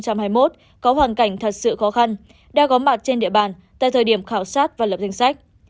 có hoàn cảnh thật sự khó khăn đã có mặt trên địa bàn tại thời điểm khảo sát và lập danh sách